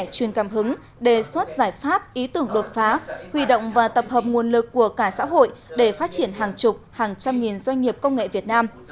truyền cảm hứng đề xuất giải pháp ý tưởng đột phá huy động và tập hợp nguồn lực của cả xã hội để phát triển hàng chục hàng trăm nghìn doanh nghiệp công nghệ việt nam